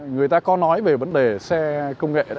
người ta có nói về vấn đề xe công nghệ